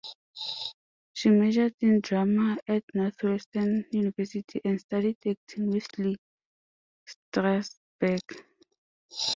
She majored in drama at Northwestern University and studied acting with Lee Strasberg.